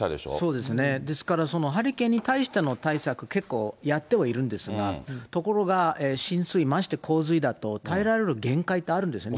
そうですね、ですからハリケーンに対しての対策、結構やってはいるんですが、ところが、浸水、まして洪水だと、耐えられる限界ってあるんですよね。